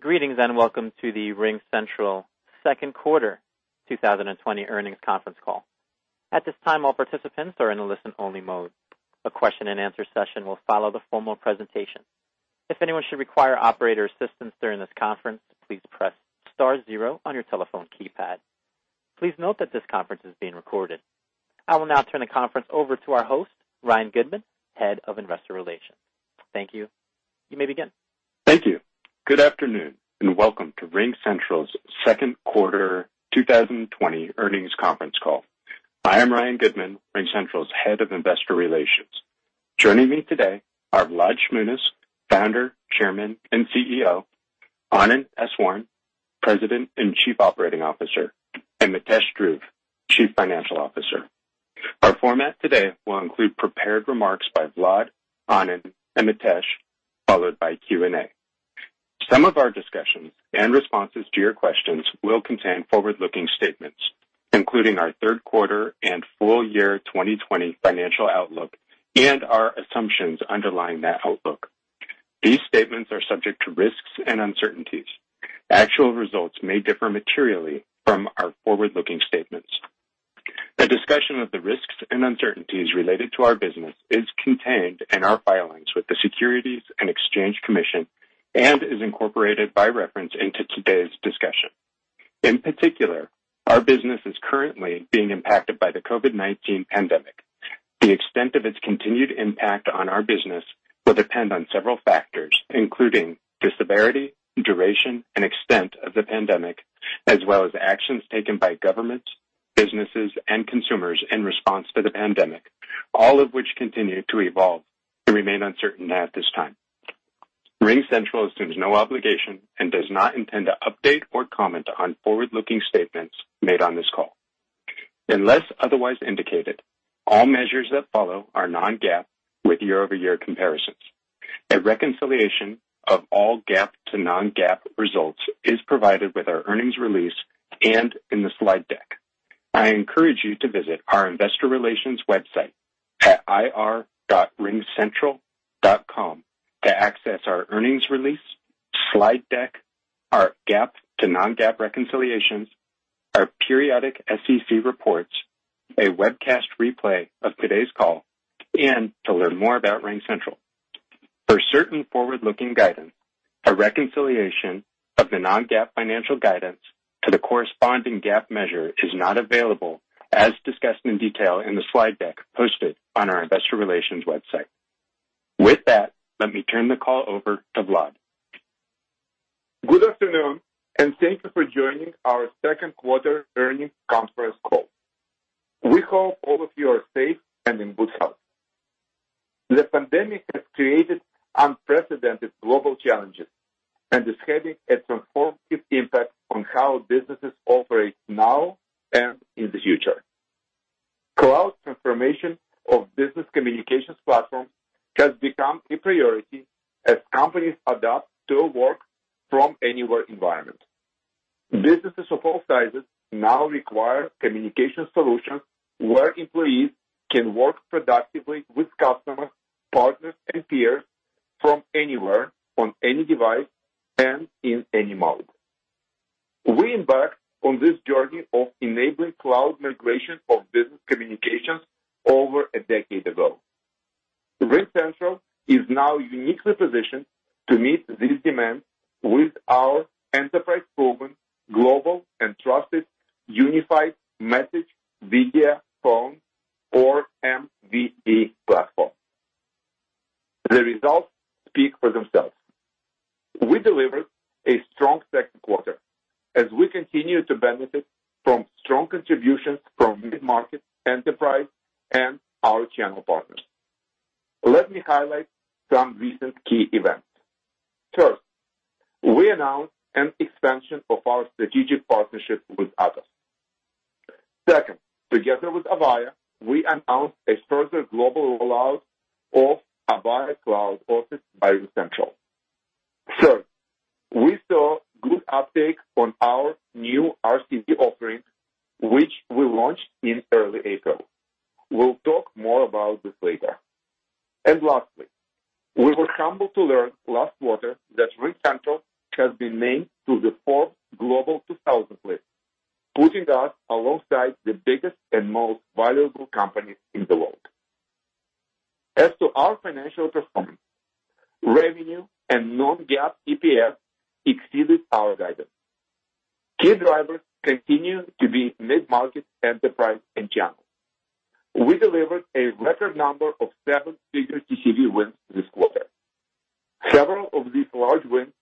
Greetings. Welcome to the RingCentral second quarter 2020 earnings conference call. At this time, all participants are in a listen-only mode. A question and answer session will follow the formal presentation. If anyone should require operator assistance during this conference, please press star zero on your telephone keypad. Please note that this conference is being recorded. I will now turn the conference over to our host, Ryan Goodman, Head of Investor Relations. Thank you. You may begin. Thank you. Good afternoon, and welcome to RingCentral's second quarter 2020 earnings conference call. I am Ryan Goodman, RingCentral's head of investor relations. Joining me today are Vlad Shmunis, Founder, Chairman, and CEO, Anand Eswaran, President and Chief Operating Officer, and Mitesh Dhruv, Chief Financial Officer. Our format today will include prepared remarks by Vlad, Anand, and Mitesh, followed by Q&A. Some of our discussions and responses to your questions will contain forward-looking statements, including our third quarter and full year 2020 financial outlook and our assumptions underlying that outlook. These statements are subject to risks and uncertainties. Actual results may differ materially from our forward-looking statements. A discussion of the risks and uncertainties related to our business is contained in our filings with the Securities and Exchange Commission and is incorporated by reference into today's discussion. In particular, our business is currently being impacted by the COVID-19 pandemic. The extent of its continued impact on our business will depend on several factors, including the severity, duration, and extent of the pandemic, as well as actions taken by governments, businesses, and consumers in response to the pandemic, all of which continue to evolve and remain uncertain at this time. RingCentral assumes no obligation and does not intend to update or comment on forward-looking statements made on this call. Unless otherwise indicated, all measures that follow are non-GAAP with year-over-year comparisons. A reconciliation of all GAAP to non-GAAP results is provided with our earnings release and in the slide deck. I encourage you to visit our investor relations website at ir.ringcentral.com to access our earnings release, slide deck, our GAAP to non-GAAP reconciliations, our periodic SEC reports, a webcast replay of today's call, and to learn more about RingCentral. For certain forward-looking guidance, a reconciliation of the non-GAAP financial guidance to the corresponding GAAP measure is not available, as discussed in detail in the slide deck posted on our investor relations website. With that, let me turn the call over to Vlad. Good afternoon, thank you for joining our second quarter earnings conference call. We hope all of you are safe and in good health. The pandemic has created unprecedented global challenges and is having a transformative impact on how businesses operate now and in the future. Cloud transformation of business communications platforms has become a priority as companies adapt to a work-from-anywhere environment. Businesses of all sizes now require communication solutions where employees can work productively with customers, partners, and peers from anywhere, on any device, and in any mode. We embarked on this journey of enabling cloud migration of business communications over a decade ago. RingCentral is now uniquely positioned to meet this demand with our enterprise-proven, global, and trusted unified message video phone, or MVP platform. The results speak for themselves. We delivered a strong second quarter as we continue to benefit from strong contributions from mid-market enterprise and our channel partners. Let me highlight some recent key events. First, we announced an expansion of our strategic partnership with Atos. Second, together with Avaya, we announced a further global rollout of Avaya Cloud Office by RingCentral. Third, we saw good uptake on our new RCV offering, which we launched in early April. We'll talk more about this later. Lastly, we were humbled to learn last quarter that RingCentral has been named to the Forbes Global 2000 list, putting us alongside the biggest and most valuable companies in the world. As to our financial performance, revenue and non-GAAP EPS exceeded our guidance. Key drivers continue to be mid-market enterprise and channel. We delivered a record number of seven-figure TCV wins this quarter. Several of these large wins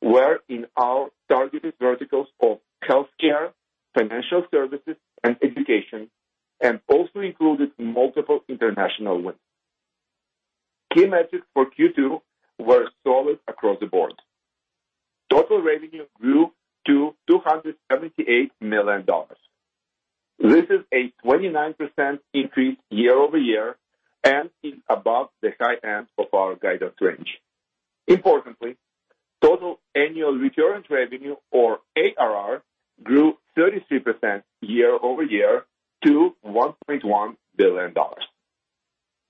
were in our targeted verticals of healthcare, financial services, and education, and also included multiple international wins. Key metrics for Q2 were solid across the board. Total revenue grew to $278 million. This is a 29% increase year-over-year and is above the high end of our guidance range. Importantly, total annual recurrent revenue, or ARR, grew 33% year-over-year to $1.1 billion.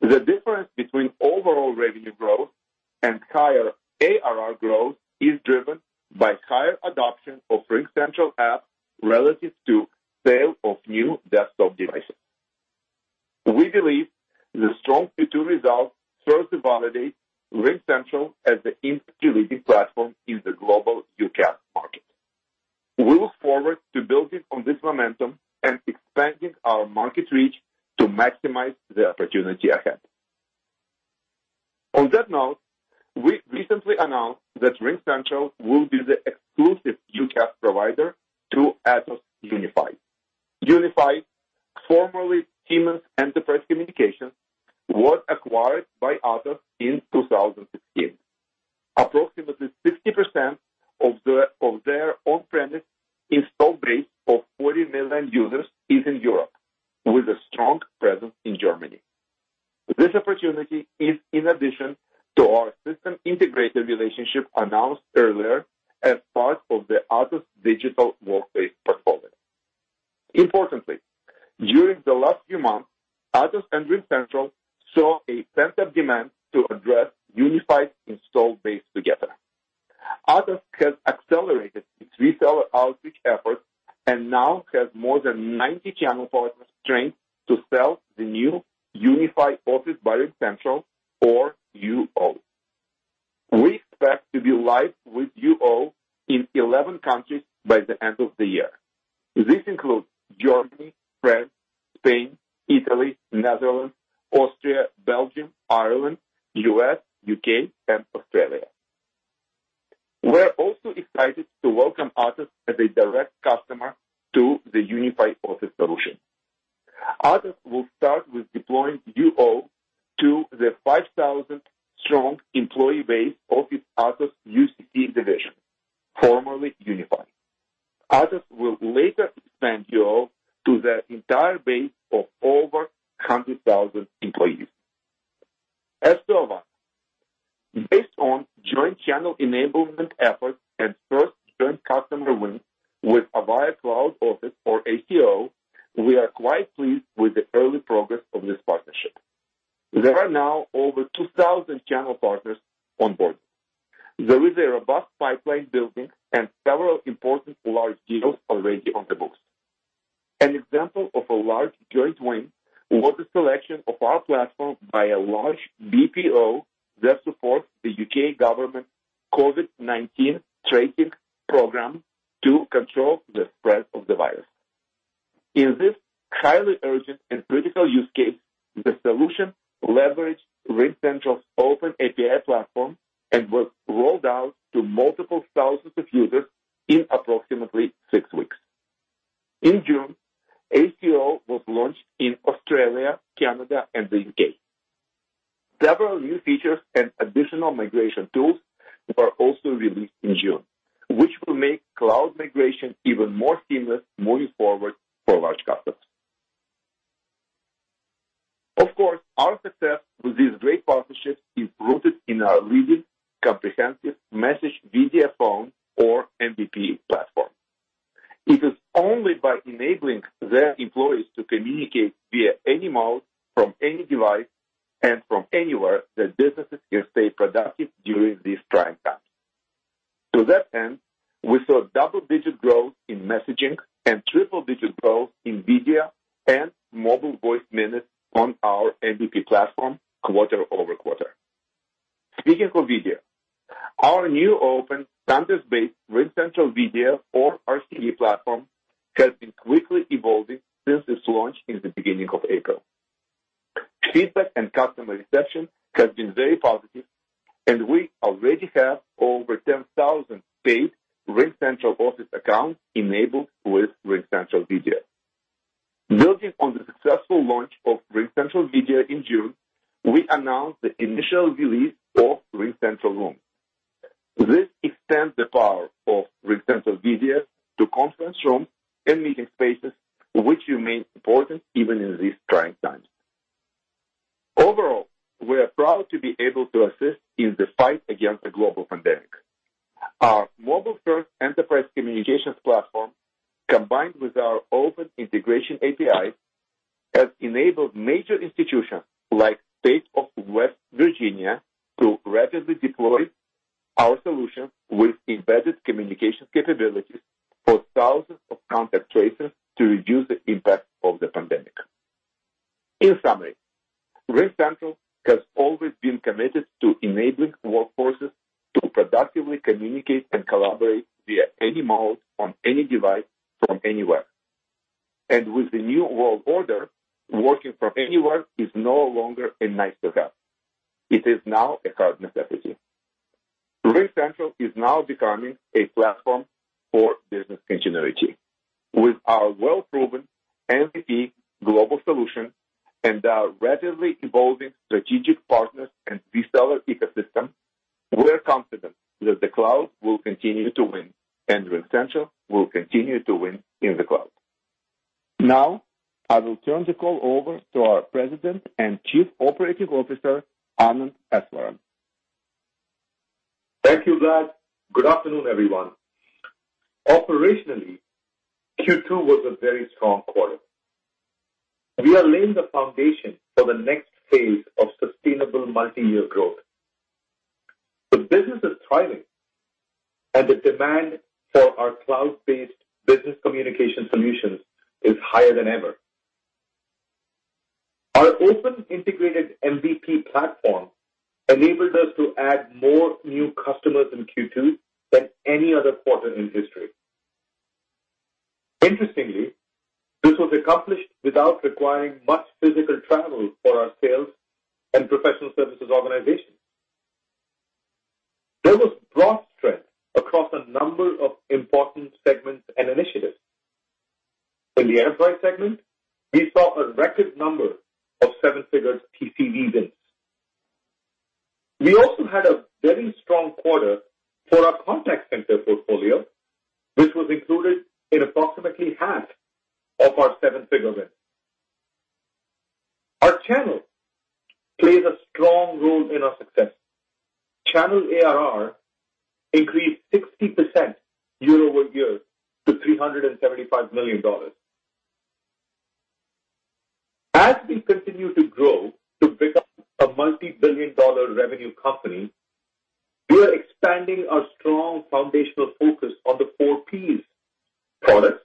The difference between overall revenue growth and higher ARR growth is driven by higher adoption of RingCentral app relative to sale of new desktop devices. We believe the strong Q2 results further validate RingCentral as the industry-leading platform in the global UCaaS market. We look forward to building on this momentum and expanding our market reach to maximize the opportunity ahead. On that note, we recently announced that RingCentral will be the exclusive UCaaS provider to Atos Unify. Unify, formerly Siemens Enterprise Communications, was acquired by Atos in 2016. Approximately 60% of their on-premise install base of 40 million users is in Europe, with a strong presence in Germany. This opportunity is in addition to our system integrator relationship announced earlier as part of the Atos digital workplace portfolio. Importantly, during the last few months, Atos and RingCentral saw a pent-up demand to address Unify's install base together. Atos has accelerated its reseller outreach efforts and now has more than 90 channel partners trained to sell the new Unify Office by RingCentral or UO. We expect to be live with UO in 11 countries by the end of the year. This includes Germany, France, Spain, Italy, Netherlands, Austria, Belgium, Ireland, U.S., U.K., and Australia. We're also excited to welcome Atos as a direct customer to the Unify Office solution. Atos will start with deploying UO to the 5,000-strong employee base of the Atos UCC division, formerly Unify. Atos will later expand UO to their entire base of over 100,000 employees. As to Avaya, based on joint channel enablement efforts and first joint customer wins with Avaya Cloud Office or ACO, we are quite pleased with the early progress of this partnership. There are now over 2,000 channel partners on board. There is a robust pipeline building and several important large deals already on the books. An example of a large joint win was the selection of our platform by a large BPO that supports the U.K. Government COVID-19 tracing program to control the spread of the virus. In this highly urgent and critical use case, the solution leveraged RingCentral's open API platform and was rolled out to multiple thousands of users in approximately six weeks. In June, ACO was launched in Australia, Canada, and the U.K. Several new features and additional migration tools were also released in June, which will make cloud migration even more seamless moving forward for large customers. Of course, our success with these great partnerships is rooted in our leading comprehensive Message, Video, Phone, or MVP platform. It is only by enabling their employees to communicate via any mode from any device and from anywhere that businesses can stay productive during these trying times. To that end, we saw double-digit growth in messaging and triple-digit growth in video and mobile voice minutes on our MVP platform quarter-over-quarter. Speaking of video, our new open standards-based RingCentral Video or RCV platform has been quickly evolving since its launch in the beginning of April. Feedback and customer reception has been very positive, and we already have over 10,000 paid RingCentral Office accounts enabled with RingCentral Video. Building on the successful launch of RingCentral Video in June, we announced the initial release of RingCentral Rooms. This extends the power of RingCentral Video to conference rooms and meeting spaces, which remain important even in these trying times. Overall, we're proud to be able to assist in the fight against the global pandemic. Our mobile-first enterprise communications platform, combined with our open integration API, has enabled major institutions like State of West Virginia to rapidly deploy our solution with embedded communications capabilities for thousands of contact tracers to reduce the impact of the pandemic. In summary, RingCentral has always been committed to enabling workforces to productively communicate and collaborate via any mode, on any device, from anywhere. With the new world order, working from anywhere is no longer a nice-to-have. It is now a hard necessity. RingCentral is now becoming a platform for business continuity. With our well-proven MVP global solution and our rapidly evolving strategic partners and reseller ecosystem, we're confident that the cloud will continue to win, and RingCentral will continue to win in the cloud. I will turn the call over to our President and Chief Operating Officer, Anand Eswaran. Thank you, Vlad. Good afternoon, everyone. Operationally, Q2 was a very strong quarter. We are laying the foundation for the next phase of sustainable multi-year growth. The business is thriving, and the demand for our cloud-based business communication solutions is higher than ever. Our open integrated MVP platform enabled us to add more new customers in Q2 than any other quarter in history. Interestingly, this was accomplished without requiring much physical travel for our sales and professional services organization. There was broad strength across a number of important segments and initiatives. In the enterprise segment, we saw a record number of seven-figure TCV wins. We also had a very strong quarter for our contact center portfolio, which was included in approximately half of our seven-figure wins. Our channel plays a strong role in our success. Channel ARR increased 60% year-over-year to $375 million. As we continue to grow to become a multi-billion dollar revenue company, we are expanding our strong foundational focus on the four Ps: products,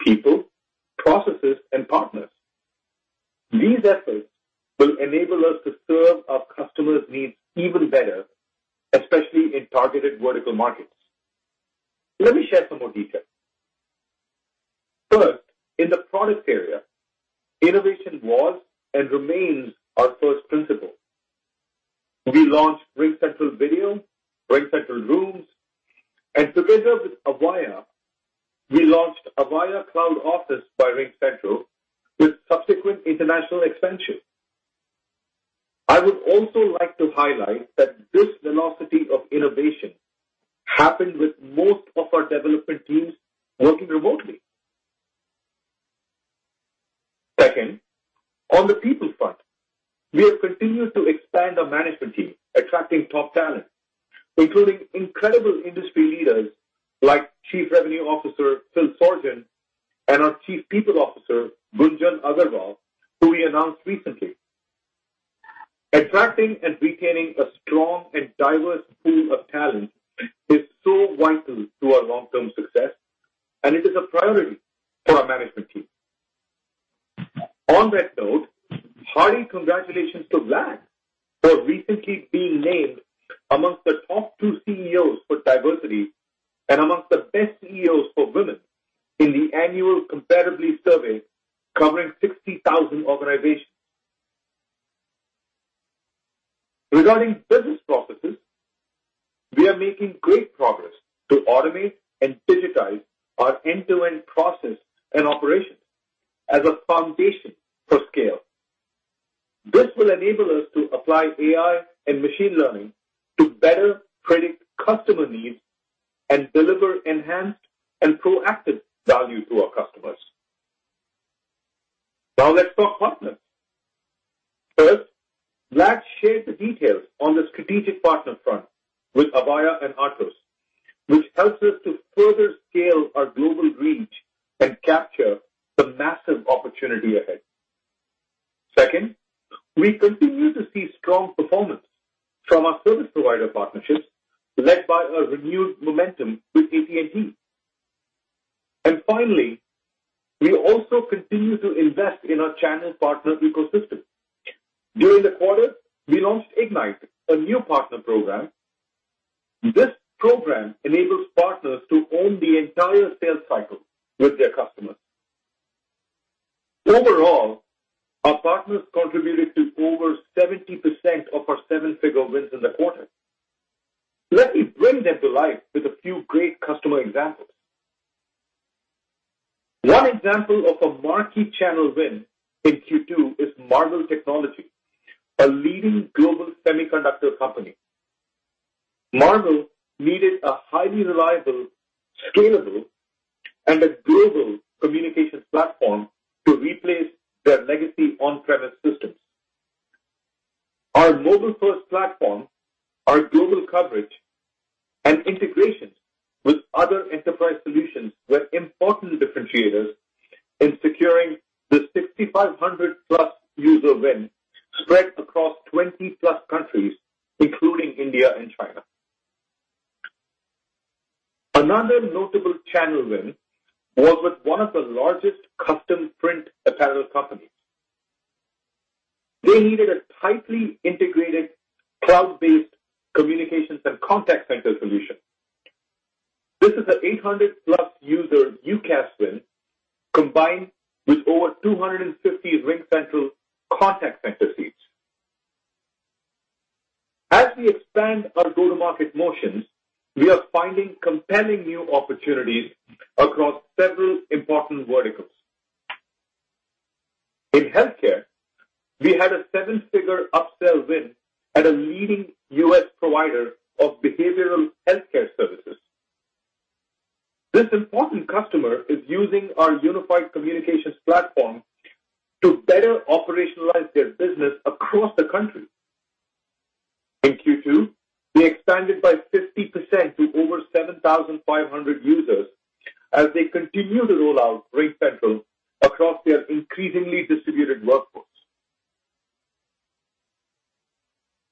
people, processes, and partners. These efforts will enable us to serve our customers' needs even better, especially in targeted vertical markets. Let me share some more details. First, in the product area, innovation was and remains our first principle. We launched RingCentral Video, RingCentral Rooms, and together with Avaya, we launched Avaya Cloud Office by RingCentral with subsequent international expansion. I would also like to highlight that this velocity of innovation happened with most of our development teams working remotely. Second, on the people front, we have continued to expand our management team, attracting top talent, including incredible industry leaders like Chief Revenue Officer Phil Sorgen and our Chief People Officer, Gunjan Aggarwal, who we announced recently. Attracting and retaining a strong and diverse pool of talent is so vital to our long-term success, and it is a priority for our management team. On that note, hearty congratulations to Vlad for recently being named amongst the top two CEOs for diversity and amongst the best CEOs for women in the annual Comparably survey, covering 60,000 organizations. Regarding business processes, we are making great progress to automate and digitize our end-to-end process and operations as a foundation for scale. This will enable us to apply AI and machine learning to better predict customer needs and deliver enhanced and proactive value to our customers. Now let's talk partners. First, Vlad shared the details on the strategic partner front with Avaya and Atos, which helps us to further scale our global reach and capture the massive opportunity ahead. Second, we continue to see strong performance from our service provider partnerships, led by a renewed momentum with AT&T. Finally, we also continue to invest in our channel partner ecosystem. During the quarter, we launched IGNITE!, a new partner program. This program enables partners to own the entire sales cycle with their customers. Overall, our partners contributed to over 70% of our seven-figure wins in the quarter. Let me bring them to life with a few great customer examples. One example of a marquee channel win in Q2 is Marvell Technology, a leading global semiconductor company. Marvell needed a highly reliable, scalable, and a global communications platform to replace their legacy on-premise systems. Our mobile-first platform, our global coverage, and integrations with other enterprise solutions were important differentiators in securing the 6,500+ user win spread across 20+ countries, including India and China. Another notable channel win was with one of the largest custom print apparel companies. They needed a tightly integrated cloud-based communications and contact center solution. This is a 800+ user UCaaS win combined with over 250 RingCentral Contact Center seats. As we expand our go-to-market motions, we are finding compelling new opportunities across several important verticals. In healthcare, we had a seven-figure upsell win at a leading U.S. provider of behavioral healthcare services. This important customer is using our unified communications platform to better operationalize their business across the country. In Q2, they expanded by 50% to over 7,500 users as they continue to roll out RingCentral across their increasingly distributed workforce.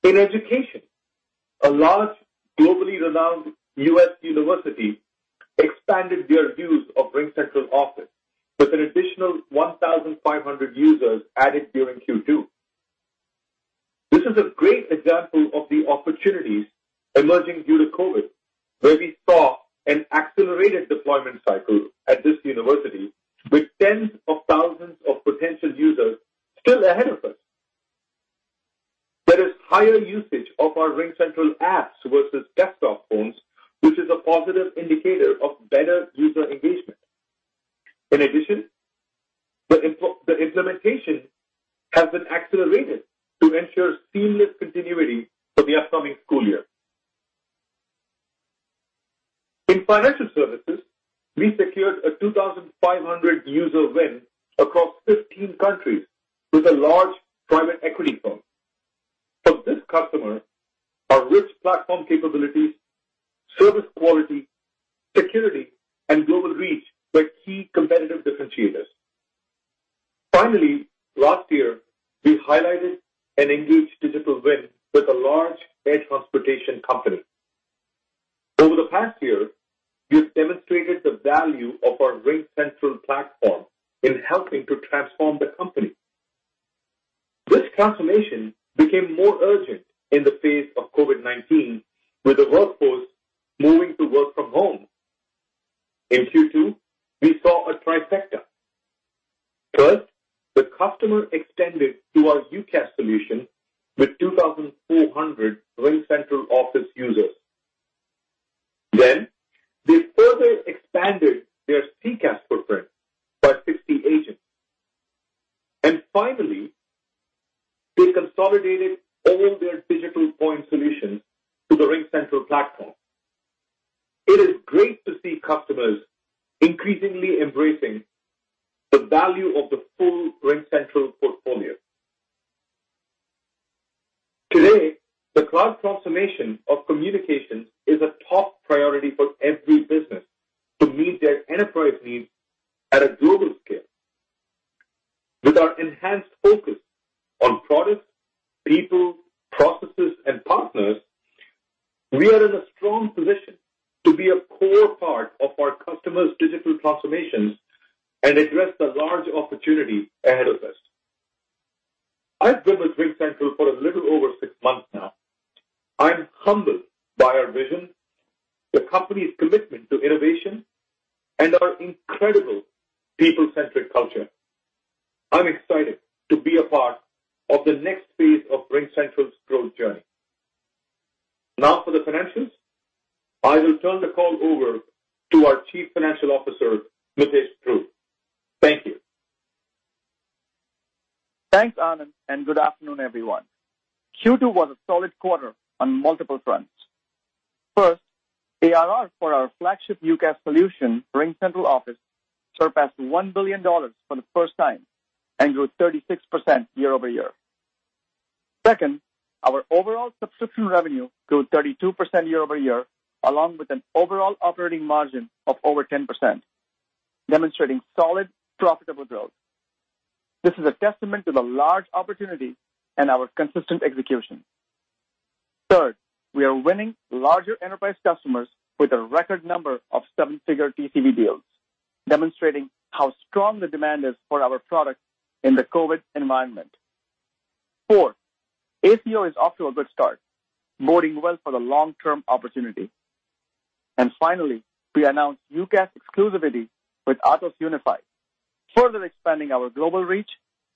In education, a large, globally renowned U.S. university expanded their use of RingCentral Office with an additional 1,500 users added during Q2. This is a great example of the opportunities emerging due to COVID, where we saw an accelerated deployment cycle at this university with tens of thousands of potential users still ahead of us. There is higher usage of our RingCentral apps versus desktop phones, which is a positive indicator of better user engagement. In addition, the implementation has been accelerated to ensure seamless continuity for the upcoming school year. In financial services, we secured a 2,500 user win across 15 countries with a large private equity firm. Finally, last year, we highlighted an Engage Digital win with a large air transportation company. Over the past year, we have demonstrated the value of our RingCentral platform in helping to transform the company. This transformation became more urgent in the face of COVID-19, with the workforce moving to work from home. In Q2, we saw a trifecta. First, the customer extended to our UCaaS solution with 2,400 RingCentral Office users. They further expanded their CCaaS footprint by 60 agents. Finally, they consolidated all their digital point solutions to the RingCentral platform. It is great to see customers increasingly embracing the value of the full RingCentral portfolio. Today, the cloud transformation of communications is a top priority for every business to meet their enterprise needs at a global scale. With our enhanced focus on products, people, processes, and partners, we are in a strong position to be a core part of our customers' digital transformations and address the large opportunity ahead of us. I've been with RingCentral for a little over six months now. I'm humbled by our vision, the company's commitment to innovation, and our incredible people-centric culture. I'm excited to be a part of the next phase of RingCentral's growth journey. Now for the financials. I will turn the call over to our Chief Financial Officer, Mitesh Dhruv. Thank you. Thanks, Anand, good afternoon, everyone. Q2 was a solid quarter on multiple fronts. First, ARR for our flagship UCaaS solution, RingCentral Office, surpassed $1 billion for the first time and grew 36% year-over-year. Second, our overall subscription revenue grew 32% year-over-year, along with an overall operating margin of over 10%, demonstrating solid, profitable growth. This is a testament to the large opportunity and our consistent execution. Third, we are winning larger enterprise customers with a record number of seven-figure TCV deals, demonstrating how strong the demand is for our product in the COVID environment. Four, ACO is off to a good start, boding well for the long-term opportunity. Finally, we announced UCaaS exclusivity with Atos Unify, further expanding our global reach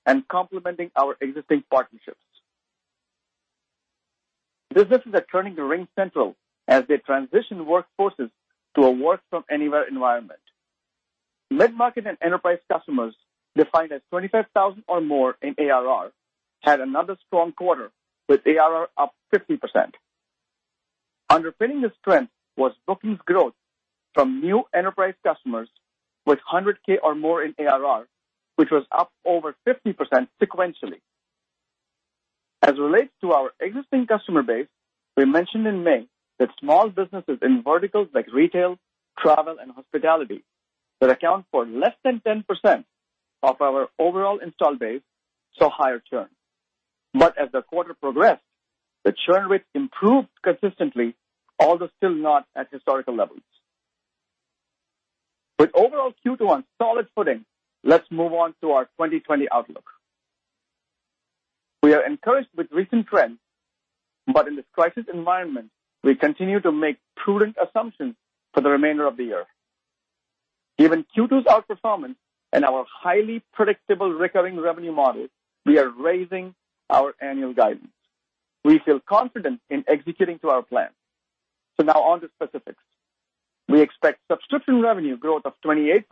and complementing our existing partnerships. Businesses are turning to RingCentral as they transition workforces to a work from anywhere environment. Mid-market and enterprise customers defined as 25,000 or more in ARR had another strong quarter with ARR up 50%. Underpinning the strength was bookings growth from new enterprise customers with 100K or more in ARR, which was up over 50% sequentially. As it relates to our existing customer base, we mentioned in May that small businesses in verticals like retail, travel, and hospitality that account for less than 10% of our overall install base saw higher churn. As the quarter progressed, the churn rate improved consistently, although still not at historical levels. With overall Q2 on solid footing, let's move on to our 2020 outlook. We are encouraged with recent trends, in this crisis environment, we continue to make prudent assumptions for the remainder of the year. Given Q2's outperformance and our highly predictable recurring revenue model, we are raising our annual guidance. We feel confident in executing to our plan. Now on to specifics. We expect subscription revenue growth of 28%,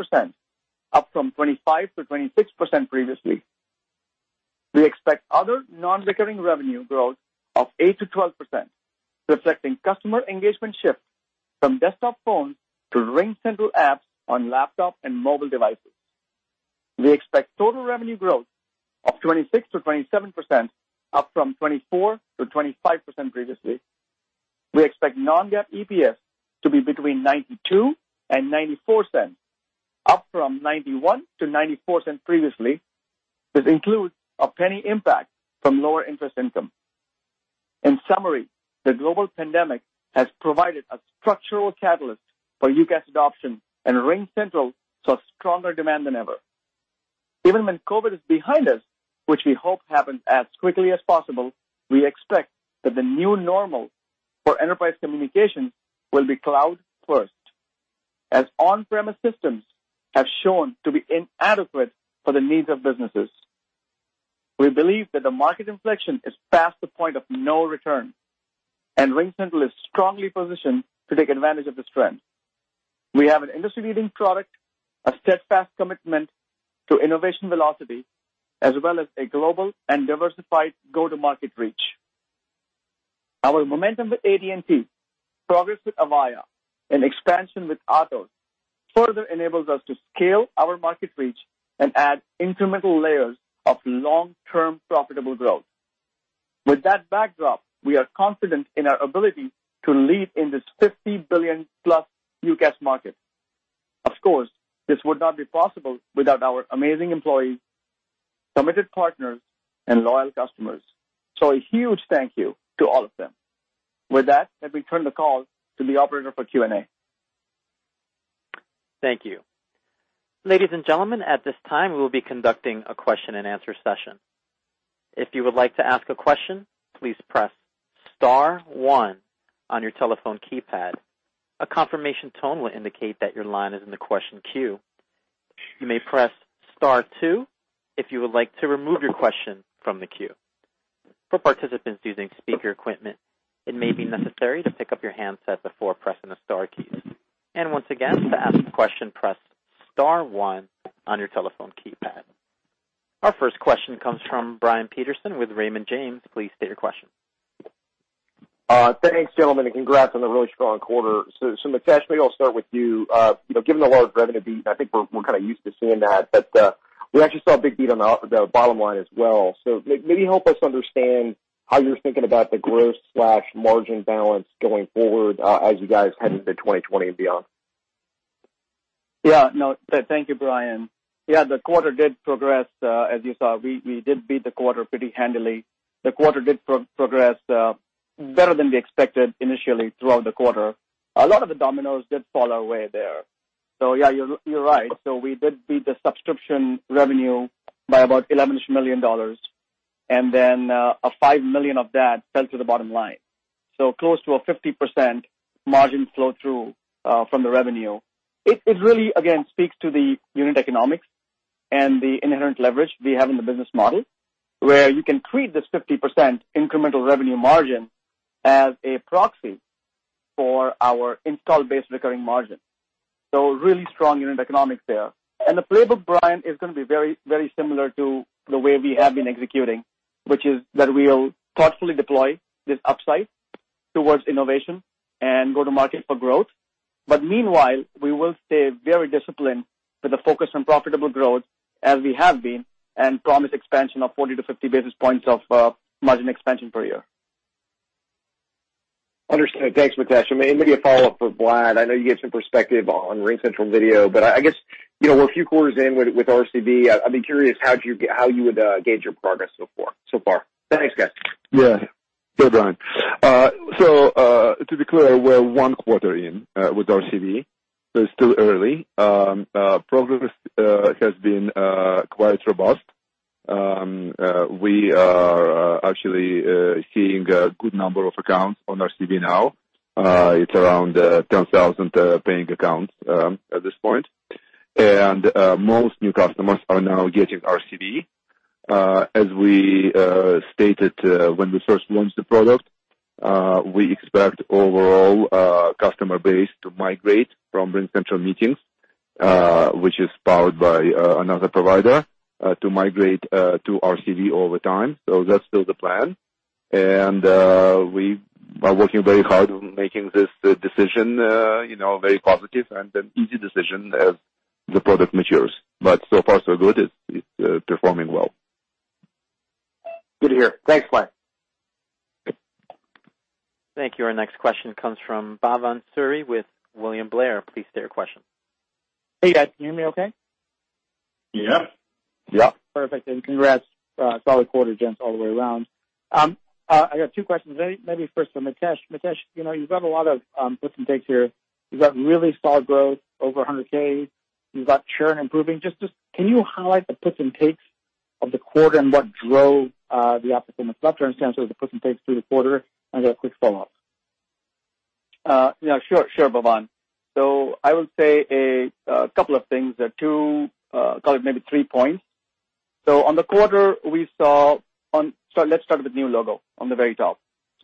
up from 25%-26% previously. We expect other non-recurring revenue growth of 8%-12%, reflecting customer engagement shift from desktop phones to RingCentral apps on laptop and mobile devices. We expect total revenue growth of 26%-27%, up from 24%-25% previously. We expect non-GAAP EPS to be between $0.92 and $0.94, up from $0.91-$0.94 previously. This includes a $0.01 impact from lower interest income. In summary, the global pandemic has provided a structural catalyst for UCaaS adoption, and RingCentral saw stronger demand than ever. Even when COVID is behind us, which we hope happens as quickly as possible, we expect that the new normal for enterprise communication will be cloud first, as on-premise systems have shown to be inadequate for the needs of businesses. We believe that the market inflection is past the point of no return. RingCentral is strongly positioned to take advantage of this trend. We have an industry-leading product, a steadfast commitment to innovation velocity, as well as a global and diversified go-to-market reach. Our momentum with AT&T, progress with Avaya, and expansion with Atos further enables us to scale our market reach and add incremental layers of long-term profitable growth. With that backdrop, we are confident in our ability to lead in this $50 billion-plus UCaaS market. Of course, this would not be possible without our amazing employees, committed partners, and loyal customers. A huge thank you to all of them. With that, let me turn the call to the operator for Q&A. Thank you. Ladies and gentlemen, at this time, we will be conducting a question and answer session. If you would like to ask a question, please press star one on your telephone keypad. A confirmation tone will indicate that your line is in the question queue. You may press star two if you would like to remove your question from the queue. For participants using speaker equipment, it may be necessary to pick up your handset before pressing the star keys. Once again, to ask a question, press star one on your telephone keypad. Our first question comes from Brian Peterson with Raymond James. Please state your question. Thanks, gentlemen. Congrats on the really strong quarter. Mitesh, maybe I'll start with you. Given the large revenue beat, I think we're kind of used to seeing that. We actually saw a big beat on the bottom line as well. Maybe help us understand how you're thinking about the growth/margin balance going forward as you guys head into 2020 and beyond. No, thank you, Brian. The quarter did progress, as you saw. We did beat the quarter pretty handily. The quarter did progress better than we expected initially throughout the quarter. A lot of the dominoes did fall our way there. You're right. We did beat the subscription revenue by about $11 million, and then $5 million of that fell to the bottom line, close to a 50% margin flow-through from the revenue. It really, again, speaks to the unit economics and the inherent leverage we have in the business model, where you can treat this 50% incremental revenue margin as a proxy for our install-based recurring margin. Really strong unit economics there. The playbook, Brian, is going to be very similar to the way we have been executing, which is that we'll thoughtfully deploy this upside towards innovation and go to market for growth. Meanwhile, we will stay very disciplined with the focus on profitable growth as we have been, and promise expansion of 40 to 50 basis points of margin expansion per year. Understood. Thanks, Mitesh. Maybe a follow-up for Vlad. I know you gave some perspective on RingCentral Video, but I guess we're a few quarters in with RCV. I'd be curious how you would gauge your progress so far. Thanks, guys. Yeah. Hey, Brian. To be clear, we're one quarter in with RCV, so it's still early. Progress has been quite robust. We are actually seeing a good number of accounts on RCV now. It's around 10,000 paying accounts at this point. Most new customers are now getting RCV. As we stated when we first launched the product, we expect overall customer base to migrate from RingCentral Meetings, which is powered by another provider, to migrate to RCV over time. That's still the plan. We are working very hard on making this decision very positive and an easy decision as the product matures. So far so good. It's performing well. Good to hear. Thanks, Vlad. Thank you. Our next question comes from Bhavan Suri with William Blair. Please state your question. Hey, guys. Can you hear me okay? Yeah. Yeah. Perfect. Congrats. Solid quarter, gents, all the way around. I got two questions. Maybe first for Mitesh. Mitesh, you've got a lot of puts and takes here. You've got really solid growth over 100K. You've got churn improving. Can you highlight the puts and takes of the quarter and what drove the optimism? I'd love to understand some of the puts and takes through the quarter, and I got a quick follow-up. Yeah, sure, Bhavan. I would say a couple of things. Two, call it maybe three points. On the quarter, let's start with new logo on the very top.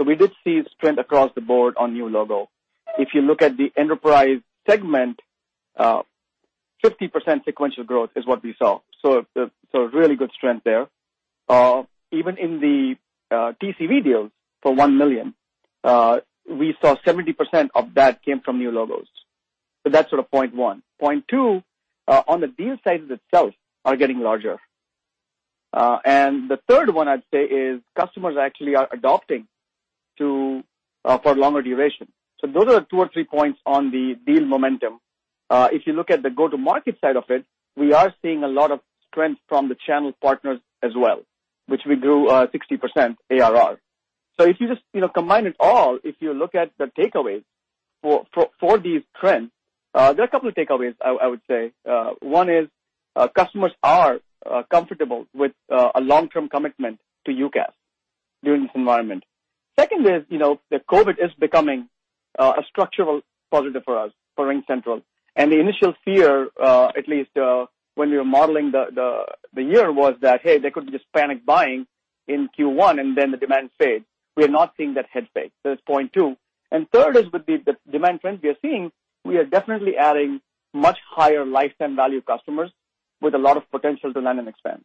We did see strength across the board on new logo. If you look at the enterprise segment, 50% sequential growth is what we saw. Really good strength there. Even in the TCV deals for $1 million, we saw 70% of that came from new logos. That's point one. Point two, on the deal sizes itself are getting larger. The third one I'd say is customers actually are adopting for longer duration. Those are two or three points on the deal momentum. If you look at the go-to-market side of it, we are seeing a lot of strength from the channel partners as well, which we grew 60% ARR. If you just combine it all, if you look at the takeaways for these trends, there are a couple of takeaways I would say. One is, customers are comfortable with a long-term commitment to UCaaS during this environment. Second is, that COVID is becoming a structural positive for us, for RingCentral. The initial fear, at least when we were modeling the year was that, hey, there could be this panic buying in Q1 and then the demand fades. We are not seeing that head fake. That's point two. Third is with the demand trends we are seeing, we are definitely adding much higher lifetime value customers with a lot of potential to land and expand.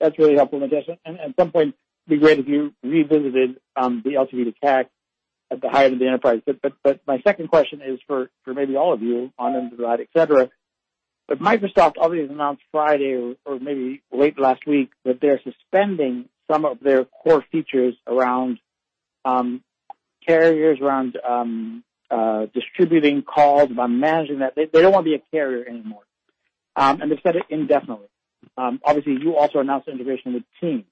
That's really helpful, Mitesh, and at some point, it'd be great if you revisited the LTV to CAC at the higher end of the enterprise. My second question is for maybe all of you, Anand, Vlad, et cetera. Microsoft obviously announced Friday or maybe late last week that they're suspending some of their core features around carriers, around distributing calls by managing that. They don't want to be a carrier anymore. They said it indefinitely. Obviously, you also announced the integration with Teams.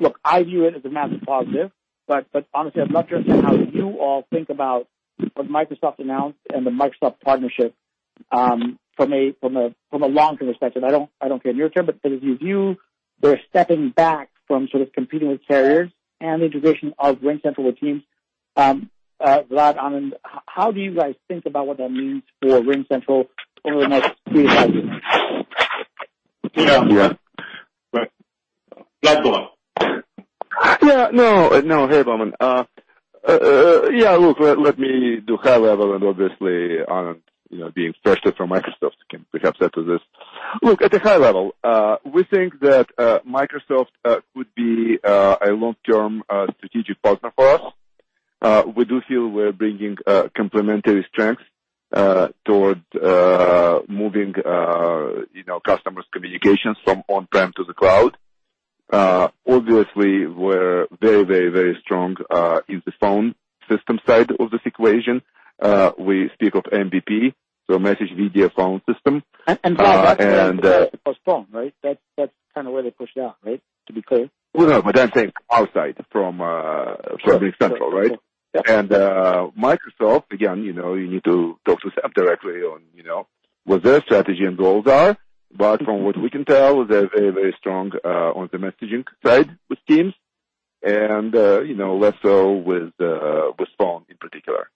Look, I view it as a massive positive, but honestly, I'm not sure how you all think about what Microsoft announced and the Microsoft partnership, from a long-term perspective. I don't care near-term, but as you view their stepping back from sort of competing with carriers and the integration of RingCentral with Teams, Vlad, Anand, how do you guys think about what that means for RingCentral over the next three to five years? Yeah. Yeah. Vlad, go on. Yeah. No. Hey, Bhavan. Yeah, look, let me do high level and obviously, Anand being freshly from Microsoft can perhaps add to this. Look at the high level, we think that Microsoft could be a long-term strategic partner for us. We do feel we're bringing complementary strengths towards moving customers' communications from on-prem to the cloud. Obviously, we're very strong in the phone system side of this equation. We speak of MVP, so message video phone system. Vlad, that's for phone, right? That's kind of where they pushed out, right? To be clear. Well, no, but I'm saying outside from RingCentral, right? Yeah. Microsoft, again, you need to talk to them directly on what their strategy and goals are. From what we can tell, they're very strong on the messaging side with Teams and less so with phone in particular.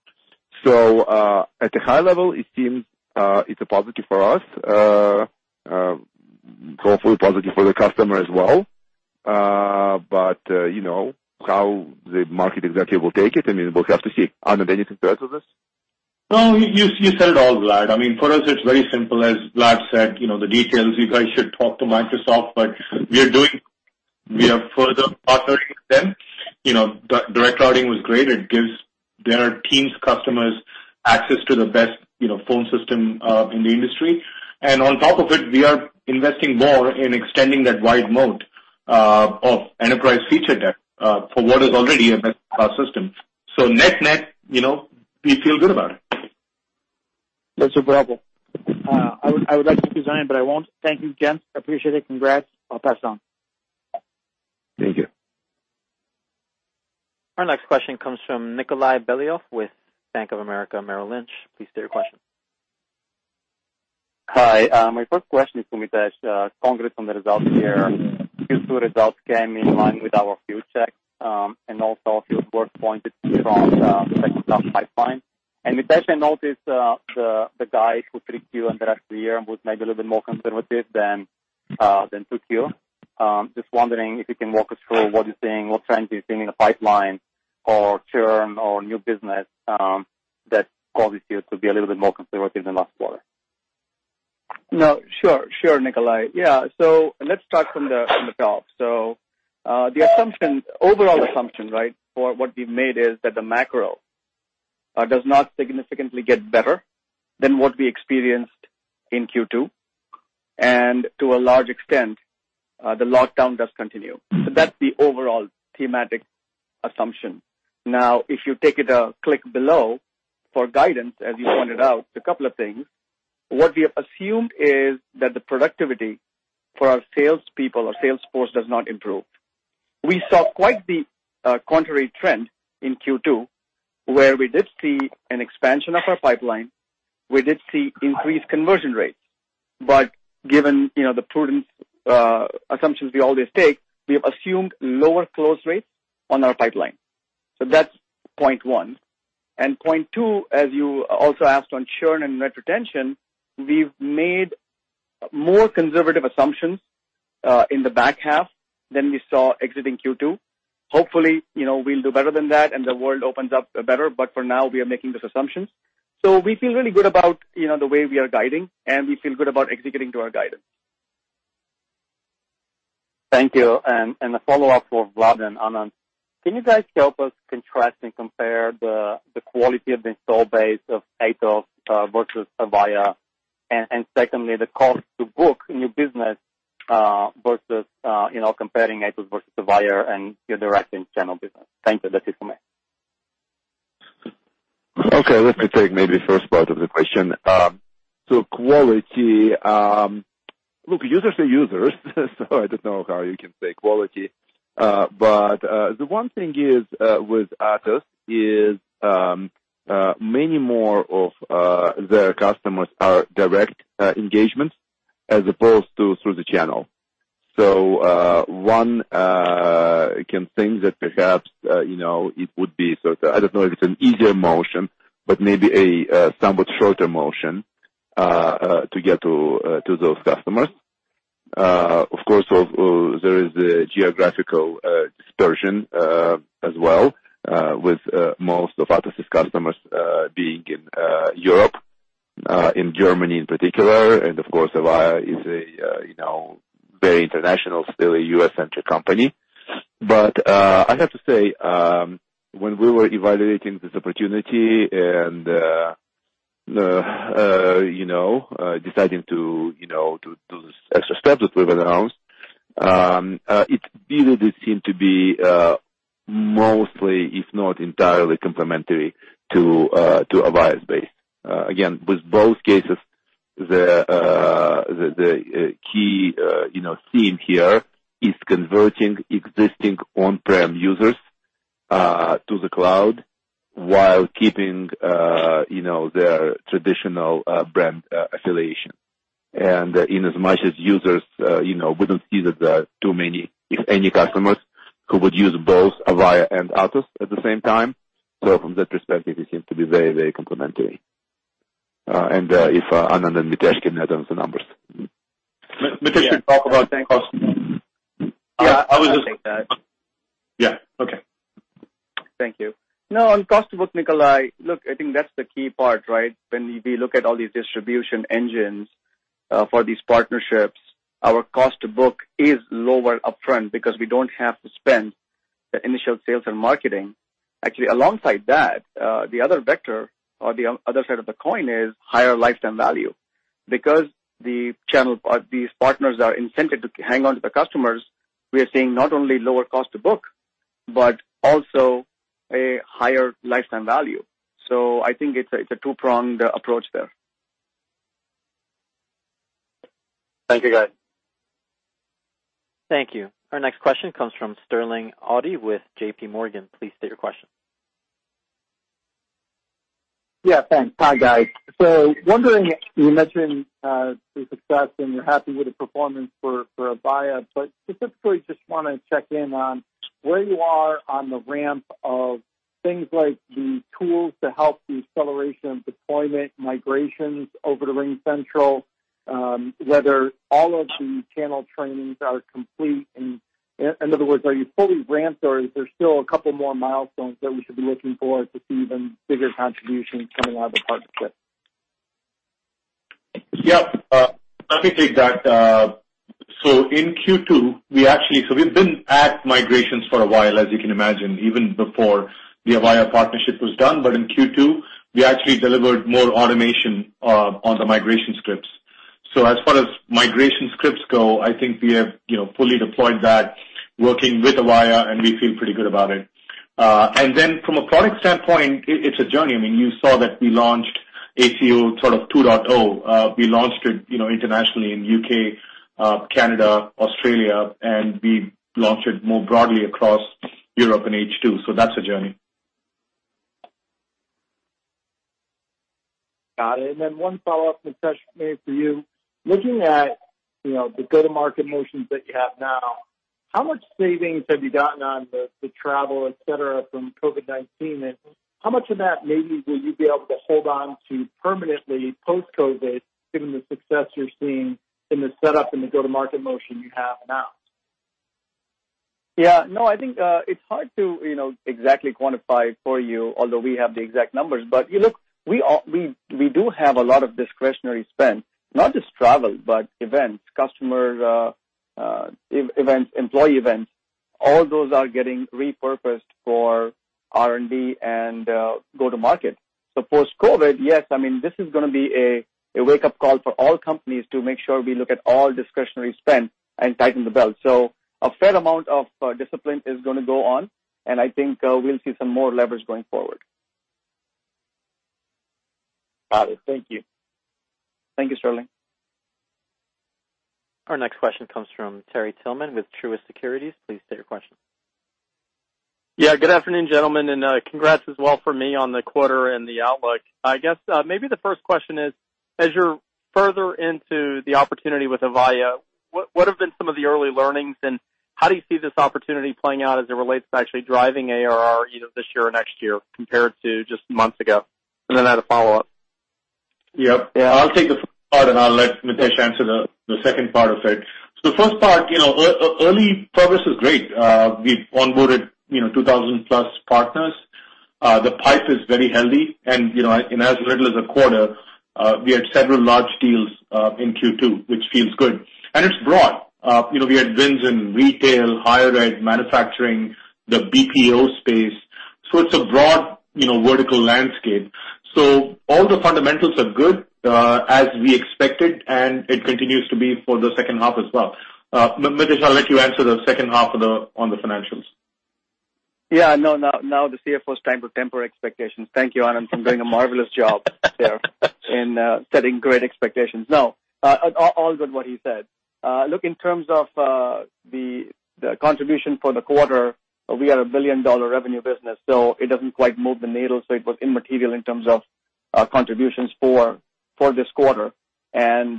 At a high level, it seems it's a positive for us. Hopefully positive for the customer as well. How the market exactly will take it, I mean, we'll have to see. Anand, anything to add to this? No, you said it all, Vlad. I mean, for us, it's very simple. As Vlad said, the details, you guys should talk to Microsoft, but we are further partnering with them. Direct Routing was great. It gives their Teams customers access to the best phone system in the industry. On top of it, we are investing more in extending that wide moat of enterprise feature debt for what is already a best-of-class system. Net-net, we feel good about it. That's incredible. I would like to keep this going, but I won't. Thank you, gents. Appreciate it. Congrats. I'll pass on. Thank you. Our next question comes from Nikolay Beliov with Bank of America, Merrill Lynch. Please state your question. Hi. My first question is to Mitesh. Congrats on the results here. Q2 results came in line with our Q check, and also a few core points from the second half pipeline. Mitesh, I noticed the guide for 3Q and the rest of the year was maybe a little bit more conservative than 2Q. Just wondering if you can walk us through what you're seeing, what trends are you seeing in the pipeline or churn or new business that caused you to be a little bit more conservative than last quarter. No, sure, Nikolay. Yeah. Let's start from the top. The overall assumption for what we've made is that the macro does not significantly get better than what we experienced in Q2, and to a large extent the lockdown does continue. That's the overall thematic assumption. Now, if you take it a click below for guidance, as you pointed out, a couple of things. What we have assumed is that the productivity for our salespeople or sales force does not improve. We saw quite the contrary trend in Q2, where we did see an expansion of our pipeline. We did see increased conversion rates. Given the prudent assumptions we always take, we have assumed lower close rates on our pipeline. That's point one. Point 2, as you also asked on churn and net retention, we've made more conservative assumptions in the back half than we saw exiting Q2. Hopefully, we'll do better than that, and the world opens up better. For now, we are making those assumptions. We feel really good about the way we are guiding, and we feel good about executing to our guidance. Thank you. A follow-up for Vlad and Anand. Can you guys help us contrast and compare the quality of the install base of Atos versus Avaya? Secondly, the cost to book new business versus comparing Atos versus Avaya and your direct and channel business. Thank you. That is for me. Okay, let me take maybe the first part of the question. Quality. Look, users are users, I don't know how you can say quality. The one thing is, with Atos is, many more of their customers are direct engagement as opposed to through the channel. One can think that perhaps it would be sort of, I don't know if it's an easier motion, but maybe a somewhat shorter motion to get to those customers. Of course, there is the geographical dispersion, as well, with most of Atos' customers being in Europe, in Germany in particular. Of course, Avaya is a very international, still a U.S.-centric company. I have to say, when we were evaluating this opportunity and deciding to do this extra step that we've announced, it really did seem to be mostly, if not entirely, complementary to Avaya's base. Again, with both cases, the key theme here is converting existing on-prem users to the cloud while keeping their traditional brand affiliation. Inasmuch as users we don't see that there are too many, if any, customers who would use both Avaya and Atos at the same time. From that perspective, it seems to be very, very complementary. If Anand and Mitesh can add on to the numbers. Mitesh can talk about cost. Yeah. I was just- I think that. Yeah. Okay. Thank you. On cost to book, Nikolay, look, I think that's the key part, right? When we look at all these distribution engines for these partnerships, our cost to book is lower upfront because we don't have to spend the initial sales and marketing. Actually, alongside that, the other vector or the other side of the coin is higher lifetime value. These partners are incented to hang on to the customers, we are seeing not only lower cost to book, but also a higher lifetime value. I think it's a two-pronged approach there. Thank you, guys. Thank you. Our next question comes from Sterling Auty with JPMorgan. Please state your question. Yeah, thanks. Hi, guys. Wondering, you mentioned the success and you're happy with the performance for Avaya, but specifically just want to check in on where you are on the ramp of things like the tools to help the acceleration of deployment migrations over to RingCentral, whether all of the channel trainings are complete. In other words, are you fully ramped or is there still a couple more milestones that we should be looking for to see even bigger contributions coming out of the partnership? Yeah. Let me take that. In Q2, we've been at migrations for a while, as you can imagine, even before the Avaya partnership was done. In Q2, we actually delivered more automation on the migration scripts. As far as migration scripts go, I think we have fully deployed that working with Avaya, and we feel pretty good about it. From a product standpoint, it's a journey. You saw that we launched ACO 2.0. We launched it internationally in U.K., Canada, Australia, and we launched it more broadly across Europe in H2. That's a journey. Got it. Then one follow-up, Mitesh, maybe for you. Looking at the go-to-market motions that you have now, how much savings have you gotten on the travel, et cetera, from COVID-19? How much of that maybe will you be able to hold on to permanently post-COVID, given the success you're seeing in the setup and the go-to-market motion you have now? Yeah. No, I think, it's hard to exactly quantify for you, although we have the exact numbers. Look, we do have a lot of discretionary spend, not just travel, but events, customer events, employee events. All those are getting repurposed for R&D and go-to-market. Post-COVID, yes, this is going to be a wake-up call for all companies to make sure we look at all discretionary spend and tighten the belt. A fair amount of discipline is going to go on, and I think we'll see some more leverage going forward. Got it. Thank you. Thank you, Sterling. Our next question comes from Terry Tillman with Truist Securities. Please state your question. Yeah. Good afternoon, gentlemen, and congrats as well from me on the quarter and the outlook. I guess, maybe the first question is, as you're further into the opportunity with Avaya, what have been some of the early learnings, and how do you see this opportunity playing out as it relates to actually driving ARR either this year or next year compared to just months ago? I had a follow-up. Yep. Yeah, I'll take the first part, and I'll let Mitesh answer the second part of it. The first part, early progress is great. We've onboarded 2,000+ partners. The pipe is very healthy and in as little as a quarter, we had several large deals, in Q2, which feels good. It's broad. We had wins in retail, higher ed, manufacturing, the BPO space. It's a broad vertical landscape. All the fundamentals are good, as we expected, and it continues to be for the second half as well. Mitesh, I'll let you answer the second half on the financials. Yeah. Now the CFO's time to temper expectations. Thank you, Anand, for doing a marvelous job there in setting great expectations. No. All good what he said. In terms of the contribution for the quarter, we are a billion-dollar revenue business, so it doesn't quite move the needle. It was immaterial in terms of contributions for this quarter and